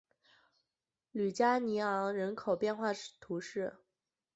吕加尼昂人口变化图示